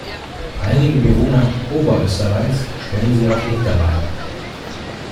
Einige Bewohner Oberösterreichs stellen sich auf die Hinterbeine.